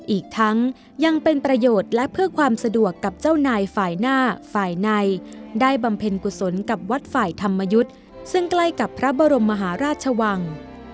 อีกทั้งยังเป็นประโยชน์และเพื่อความสะดวกกับเจ้านายฝ่ายหน้าฝ่ายในได้บำเพ็ญกุศลกับวัดฝ่ายธรรมยุทธ์ซึ่งใกล้กับพระบรมมหาราชวัง